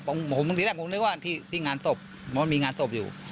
ผมผมตอนแรกผมคงนึกว่าที่ที่งานตบมันมีงานตบอยู่